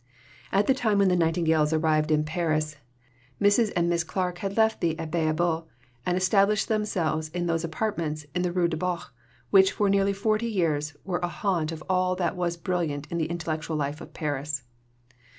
At the time when the Nightingales arrived in Paris, Mrs. and Miss Clarke had left the Abbaye au Bois and established themselves in those apartments in the Rue du Bac which for nearly forty years were a haunt of all that was brilliant in the intellectual life of Paris.